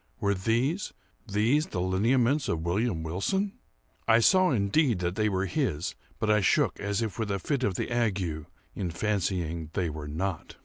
Were these—these the lineaments of William Wilson? I saw, indeed, that they were his, but I shook as if with a fit of the ague in fancying they were not.